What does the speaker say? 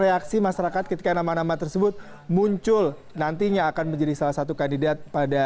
reaksi masyarakat ketika nama nama tersebut muncul nantinya akan menjadi salah satu kandidat pada dua ribu delapan belas